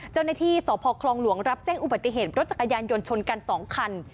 เจ้าหน้าที่สพคลองหลวงรับแจ้งอุบัติเหตุรถจักรยานยนต์ชนกัน๒คัน